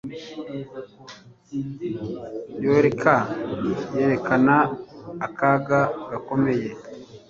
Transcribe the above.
Jaywalker yerekana akaga gakomeye.